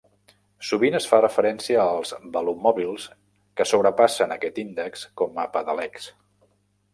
Sovint es fa referència als velomòbils que sobrepassen aquest índex com a "pedelecs".